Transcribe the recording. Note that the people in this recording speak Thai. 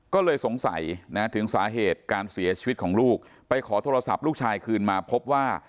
ก็เลยสงสัยนะถึงสาเหตุการเสียชีวิตของลูกไปขอโทรศัพท์ลูกชายคืนมาพบว่า